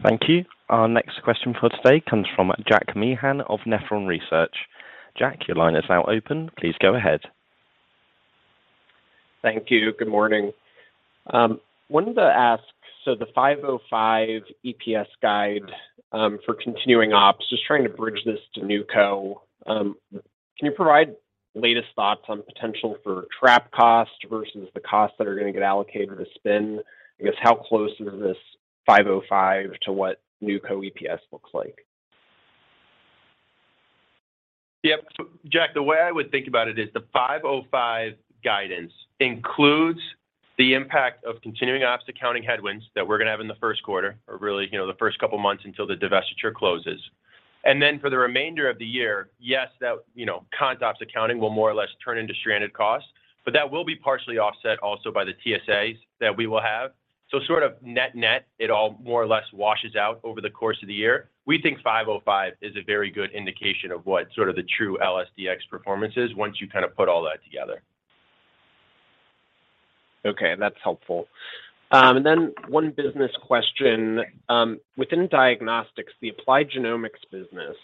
Thank you. Our next question for today comes from Jack Meehan of Nephron Research. Jack, your line is now open. Please go ahead. Thank you. Good morning. Wanted to ask, the 505 EPS guide for continuing ops, just trying to bridge this to NewCo. Can you provide latest thoughts on potential for trap cost versus the costs that are going to get allocated to spin? I guess how close is this 505 to what NewCo EPS looks like? Yep. Jack, the way I would think about it is the 505 guidance includes the impact of continuing ops accounting headwinds that we're going to have in the first quarter or really, you know, the first couple of months until the divestiture closes. For the remainder of the year, yes, that, you know, cons ops accounting will more or less turn into stranded costs, but that will be partially offset also by the TSAs that we will have. Sort of net-net, it all more or less washes out over the course of the year. We think 505 is a very good indication of what sort of the true LSDX performance is once you kind of put all that together. Okay, that's helpful. One business question. Within diagnostics, the applied genomics business,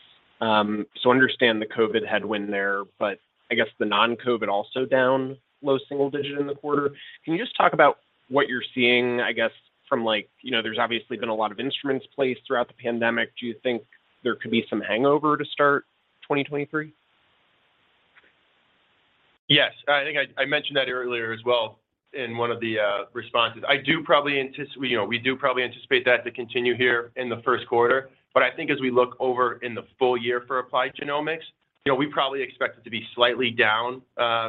understand the COVID headwind there, but I guess the non-COVID also down low single-digit in the quarter. Can you just talk about what you're seeing, I guess from like, you know, there's obviously been a lot of instruments placed throughout the pandemic. Do you think there could be some hangover to start 2023? Yes. I think I mentioned that earlier as well in one of the responses. I do probably you know, we do probably anticipate that to continue here in the first quarter. I think as we look over in the full year for applied genomics, you know, we probably expect it to be slightly down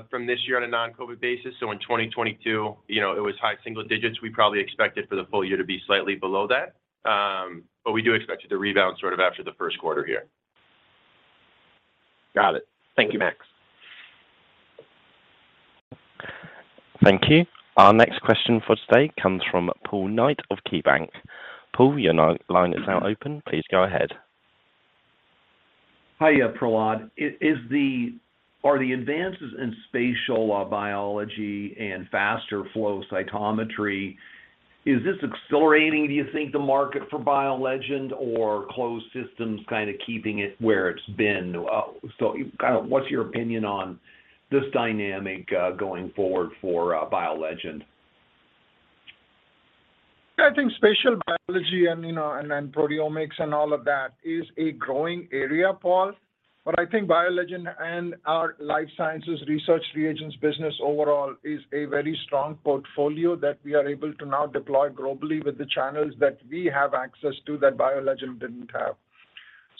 from this year on a non-COVID basis. In 2022, you know, it was high single digits. We probably expect it for the full year to be slightly below that. We do expect it to rebound sort of after the first quarter here. Got it. Thank you, Max. Thank you. Our next question for today comes from Paul Knight of KeyBanc. Paul, your line is now open. Please go ahead. Hiya, Prahlad. Are the advances in spatial biology and faster flow cytometry, is this accelerating, do you think, the market for BioLegend or closed systems kind of keeping it where it's been? Kind of what's your opinion on this dynamic, going forward for, BioLegend? I think spatial biology and, you know, and proteomics and all of that is a growing area, Paul. I think BioLegend and our life sciences research reagents business overall is a very strong portfolio that we are able to now deploy globally with the channels that we have access to that BioLegend didn't have.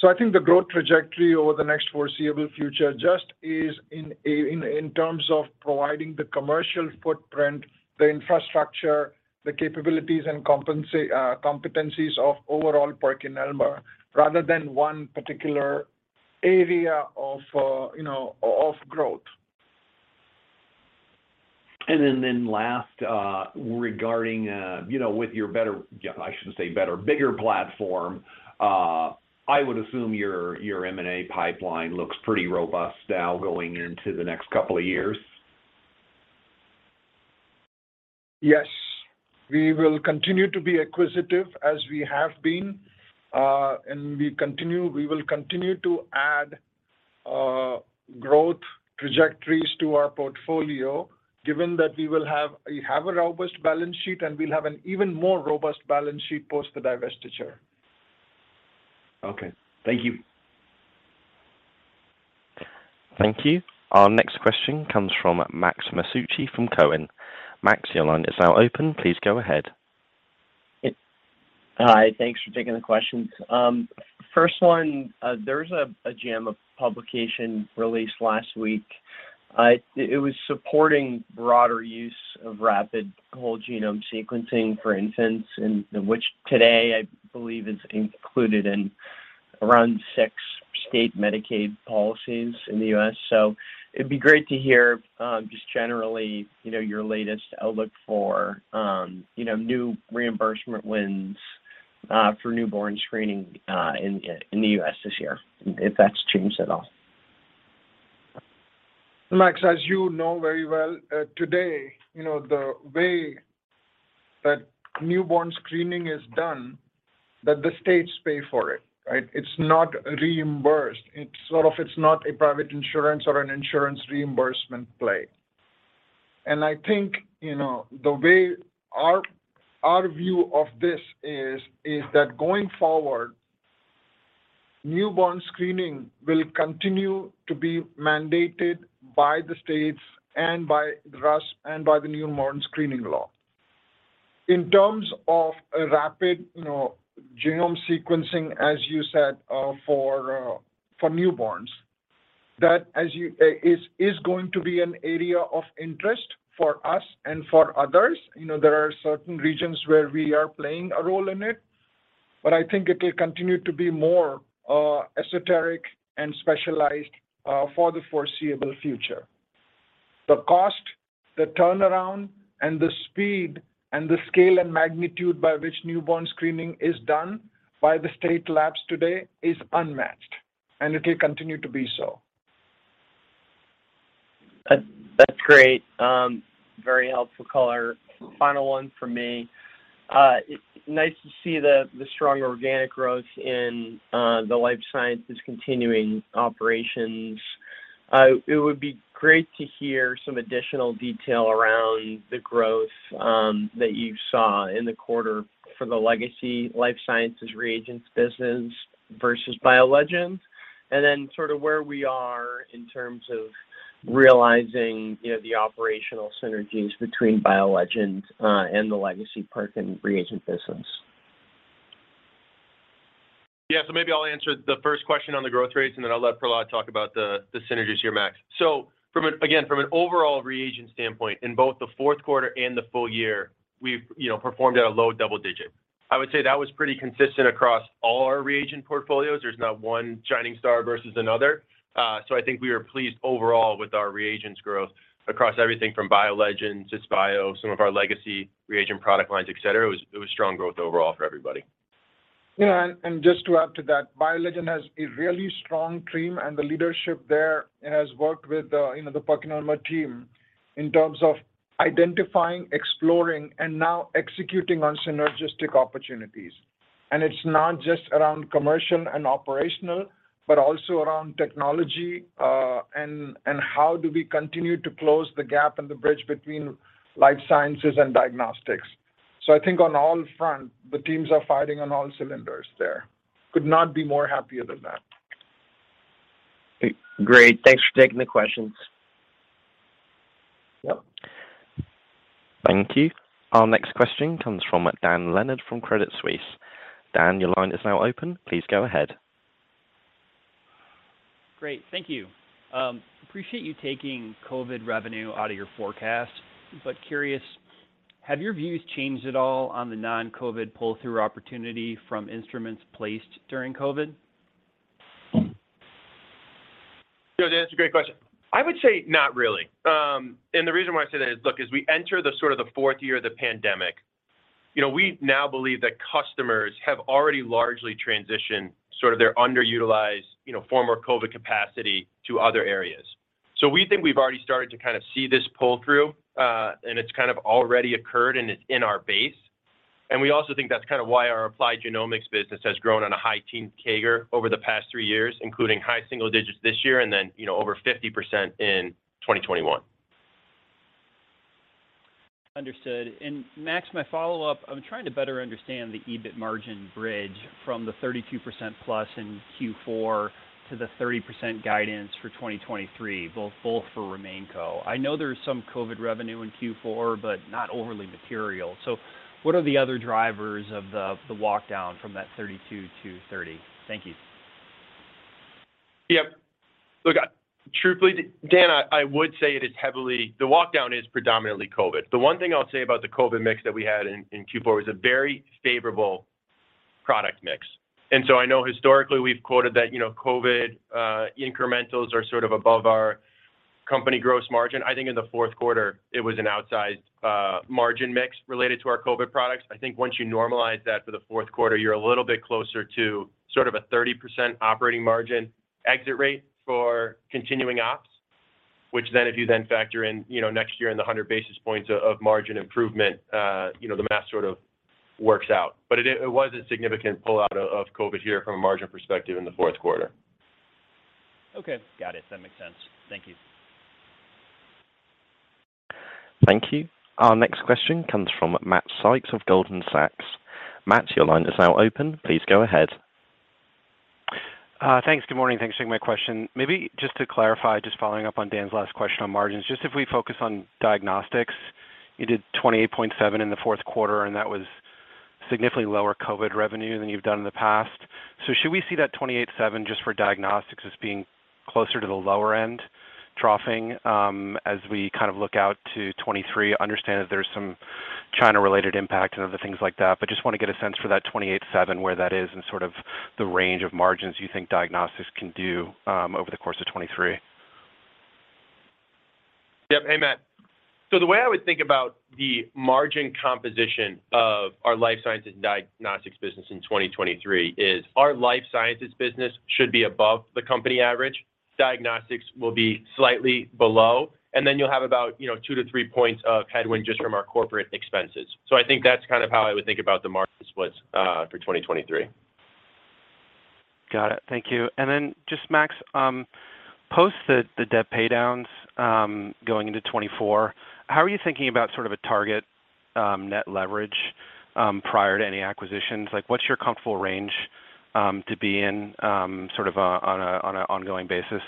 I think the growth trajectory over the next foreseeable future just is in terms of providing the commercial footprint, the infrastructure, the capabilities and competencies of overall PerkinElmer rather than one particular area of, you know, of growth. Last, regarding, you know, with your better, yeah, I shouldn't say better, bigger platform, I would assume your M&A pipeline looks pretty robust now going into the next couple of years. Yes. We will continue to be acquisitive as we have been, we will continue to add, growth trajectories to our portfolio given that we have a robust balance sheet and we'll have an even more robust balance sheet post the divestiture. Okay. Thank you. Thank you. Our next question comes from Max Masucci from Cowen. Max, your line is now open. Please go ahead. Hi. Thanks for taking the questions. First one, there was a JAMA publication released last week. It was supporting broader use of rapid whole genome sequencing, for instance, and which today I believe is included in around six state Medicaid policies in the U.S. It'd be great to hear, just generally, you know, your latest outlook for, you know, new reimbursement wins for newborn screening in the U.S. this year, if that's changed at all. Max, as you know very well, today, you know, the way that newborn screening is done, that the states pay for it, right? It's not reimbursed. It's sort of it's not a private insurance or an insurance reimbursement play. I think, you know, the way our view of this is that going forward, newborn screening will continue to be mandated by the states and by RUSP and by the newborn screening law. In terms of a rapid, you know, genome sequencing, as you said, for newborns, that is going to be an area of interest for us and for others. You know, there are certain regions where we are playing a role in it. I think it will continue to be more esoteric and specialized for the foreseeable future. The cost, the turnaround, and the speed, and the scale, and magnitude by which newborn screening is done by the state labs today is unmatched, and it will continue to be so. That's great. Very helpful color. Final one from me. It's nice to see the strong organic growth in the life sciences continuing operations. It would be great to hear some additional detail around the growth that you saw in the quarter for the legacy life sciences reagents business versus BioLegend. Sort of where we are in terms of realizing, you know, the operational synergies between BioLegend and the legacy Perkin reagent business. Maybe I'll answer the first question on the growth rates, and then I'll let Prahlad talk about the synergies here, Max. From an overall reagent standpoint, in both the fourth quarter and the full year, we've, you know, performed at a low double-digit. I would say that was pretty consistent across all our reagent portfolios. There's not one shining star versus another. I think we were pleased overall with our reagents growth across everything from BioLegend to Spio, some of our legacy reagent product lines, et cetera. It was strong growth overall for everybody. Yeah. Just to add to that, BioLegend has a really strong team, and the leadership there has worked with, you know, the PerkinElmer team in terms of identifying, exploring, and now executing on synergistic opportunities. It's not just around commercial and operational, but also around technology, and how do we continue to close the gap and the bridge between life sciences and diagnostics. I think on all fronts, the teams are firing on all cylinders there. Could not be more happier than that. Great. Thanks for taking the questions. Yep. Thank you. Our next question comes from Dan Leonard from Credit Suisse. Dan, your line is now open. Please go ahead. Great. Thank you. Appreciate you taking COVID revenue out of your forecast. Curious, have your views changed at all on the non-COVID pull-through opportunity from instruments placed during COVID? Yeah, Dan, that's a great question. The reason why I say that is, look, as we enter the sort of the fourth year of the pandemic, you know, we now believe that customers have already largely transitioned sort of their underutilized, you know, former COVID capacity to other areas. We think we've already started to kind of see this pull through, and it's kind of already occurred, and it's in our base. We also think that's kind of why our applied genomics business has grown on a high teen CAGR over the past three years, including high single digits this year and then, you know, over 50% in 2021. Understood. Max, my follow-up, I'm trying to better understand the EBIT margin bridge from the 32%+ in Q4 to the 30% guidance for 2023, both for RemainCo. I know there's some COVID revenue in Q4, but not overly material. What are the other drivers of the walk down from that 32-30? Thank you. Yep. Look, truthfully, Dan, I would say it is heavily, the walk down is predominantly COVID. The one thing I'll say about the COVID mix that we had in Q4 was a very favorable product mix. I know historically we've quoted that, you know, COVID incrementals are sort of above our company gross margin. I think in the fourth quarter, it was an outsized margin mix related to our COVID products. I think once you normalize that for the fourth quarter, you're a little bit closer to sort of a 30% operating margin exit rate for continuing ops, which then if you then factor in, you know, next year and the 100 basis points of margin improvement, you know, the math sort of works out. It was a significant pull out of COVID here from a margin perspective in the fourth quarter. Okay. Got it. That makes sense. Thank you. Thank you. Our next question comes from Matt Sykes of Goldman Sachs. Matt, your line is now open. Please go ahead. Thanks. Good morning. Thanks for taking my question. Maybe just to clarify, just following up on Dan's last question on margins, just if we focus on diagnostics, you did 28.7% in the fourth quarter, that was significantly lower COVID revenue than you've done in the past. Should we see that 28.7% just for diagnostics as being closer to the lower end troughing, as we kind of look out to 2023? I understand that there's some China-related impact and other things like that, just want to get a sense for that 28.7%, where that is and sort of the range of margins you think diagnostics can do over the course of 2023. Yep. Hey, Matt. The way I would think about the margin composition of our life sciences and diagnostics business in 2023 is our life sciences business should be above the company average. Diagnostics will be slightly below, and then you'll have about, you know, two-three points of headwind just from our corporate expenses. I think that's kind of how I would think about the market splits for 2023. Got it. Thank you. Then just Max, post the debt paydowns, going into 2024, how are you thinking about sort of a target net leverage prior to any acquisitions? Like, what's your comfortable range to be in, sort of on an ongoing basis?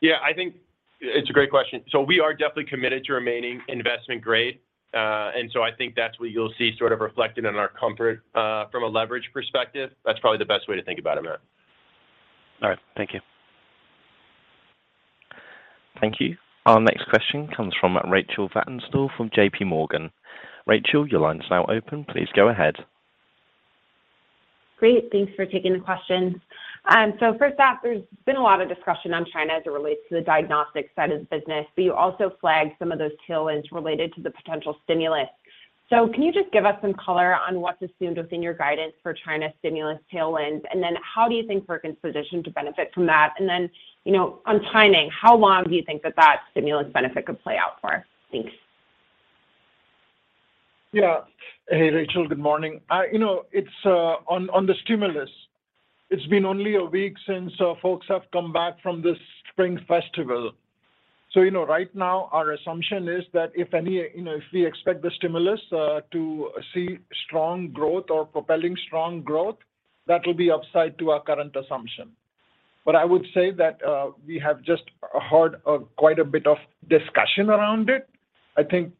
Yeah, I think it's a great question. We are definitely committed to remaining investment grade. I think that's what you'll see sort of reflected in our comfort from a leverage perspective. That's probably the best way to think about it, Matt. All right. Thank you. Thank you. Our next question comes from Rachel Vatnsdal from JPMorgan. Rachel, your line is now open. Please go ahead. Great. Thanks for taking the question. First off, there's been a lot of discussion on China as it relates to the diagnostic side of the business, but you also flagged some of those tailwinds related to the potential stimulus. Can you just give us some color on what's assumed within your guidance for China stimulus tailwinds? How do you think Perkin's positioned to benefit from that? You know, on timing, how long do you think that that stimulus benefit could play out for? Thanks. Yeah. Hey, Rachel. Good morning. You know, it's On the stimulus, it's been only a week since our folks have come back from the Spring Festival. You know, right now, our assumption is that if we expect the stimulus to see strong growth or propelling strong growth, that will be upside to our current assumption. I would say that we have just heard quite a bit of discussion around it. I think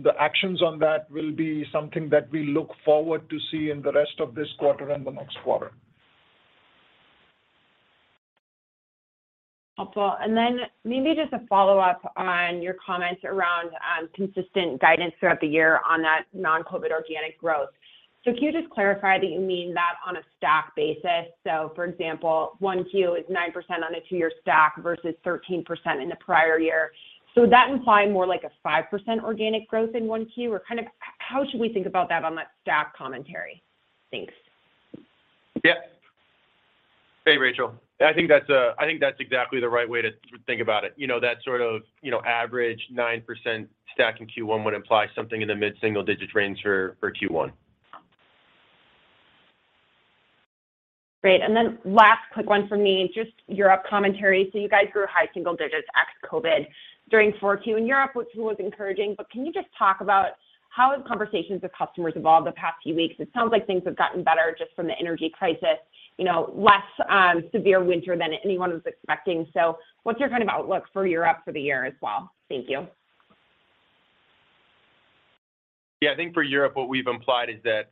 the actions on that will be something that we look forward to see in the rest of this quarter and the next quarter. Helpful. Maybe just a follow-up on your comments around consistent guidance throughout the year on that non-COVID organic growth. Can you just clarify that you mean that on a stack basis? For example, 1Q is 9% on a two-year stack versus 13% in the prior year. Would that imply more like a 5% organic growth in 1Q? Kind of how should we think about that on that stack commentary? Thanks. Yeah. Hey, Rachel. I think that's exactly the right way to think about it. You know, that sort of, you know, average 9% stack in Q1 would imply something in the mid-single digit range for Q1. Great. Last quick one from me, just Europe commentary. You guys grew high single digits ex-COVID during 4Q in Europe, which was encouraging. Can you just talk about how have conversations with customers evolved the past few weeks? It sounds like things have gotten better just from the energy crisis, you know, less severe winter than anyone was expecting. What's your kind of outlook for Europe for the year as well? Thank you. I think for Europe, what we've implied is that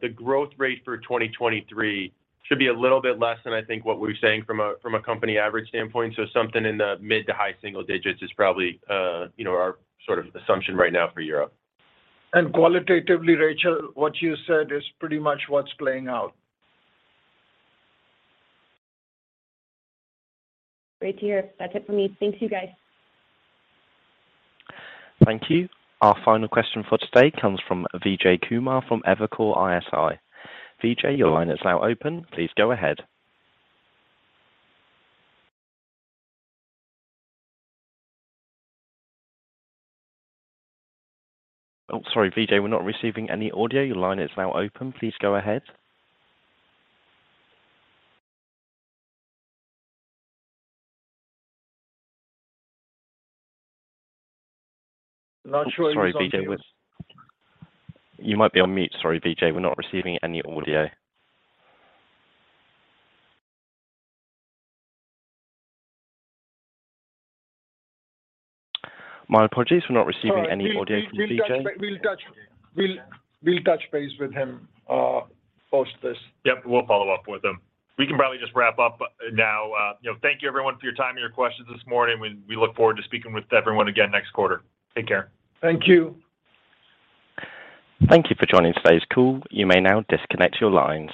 the growth rate for 2023 should be a little bit less than I think what we were saying from a, from a company average standpoint. Something in the mid- to high single digits is probably, you know, our sort of assumption right now for Europe. Qualitatively, Rachel, what you said is pretty much what's playing out. Great to hear. That's it from me. Thank you, guys. Thank you. Our final question for today comes from Vijay Kumar from Evercore ISI. Vijay, your line is now open. Please go ahead. Oh, sorry, Vijay. We're not receiving any audio. Your line is now open. Please go ahead. No, I'm sure he was on mute. Oh, sorry, Vijay. You might be on mute. Sorry, Vijay. We're not receiving any audio. My apologies. We're not receiving any audio from Vijay. We'll touch base with him post this. Yep. We'll follow up with him. We can probably just wrap up now. You know, thank you everyone for your time and your questions this morning. We look forward to speaking with everyone again next quarter. Take care. Thank you. Thank you for joining today's call. You may now disconnect your lines.